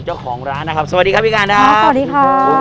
เจ้าของร้านนะครับสวัสดีครับพี่การนะครับสวัสดีค่ะ